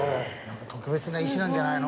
特別な石なんじゃないの？